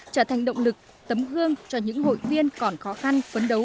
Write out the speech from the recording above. trở thành động lực tấm gương cho những hội viên còn khó khăn phấn đấu